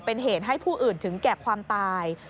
เป็นเหตุให้ผู้อื่นถึงแก่ความตาย